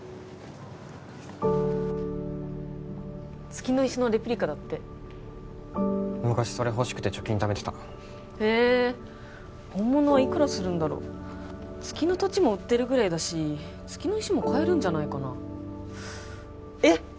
月の石のレプリカだって昔それ欲しくて貯金貯めてたへえ本物はいくらするんだろ月の土地も売ってるぐらいだし月の石も買えるんじゃないかなえっ！